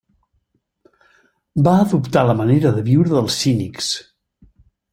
Va adoptar la manera de viure dels cínics.